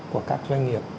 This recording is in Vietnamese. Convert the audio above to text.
của các doanh nghiệp